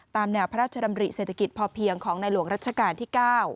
ตามแนวพระราชดำริเศรษฐกิจพอเพียงของในหลวงรัชกาลที่๙